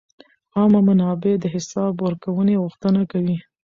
عامه منابع د حساب ورکونې غوښتنه کوي.